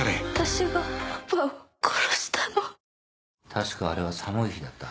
確かあれは寒い日だった。